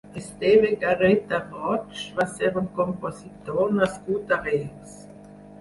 Esteve Garreta Roig va ser un compositor nascut a Reus.